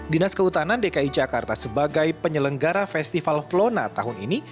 dinas kehutanan dki jakarta sebagai penyelenggara festival flona tahun ini